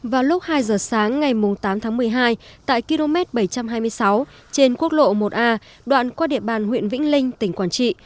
vào lúc hai giờ sáng ngày tám tháng một mươi hai tại km bảy trăm hai mươi sáu trên quốc lộ một a đoạn qua địa bàn huyện vĩnh linh tỉnh quảng trị